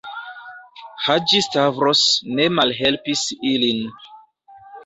Haĝi-Stavros ne malhelpis ilin.